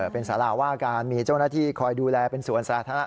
เป็นสาราว่าการมีเจ้าหน้าที่คอยดูแลเป็นสวนสาธารณะ